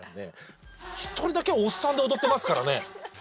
１人だけおっさんで踊ってますからね。